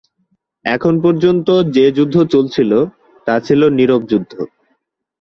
এখন পর্যন্ত যে যুদ্ধ চলছিল তা ছিল নীরব যুদ্ধ।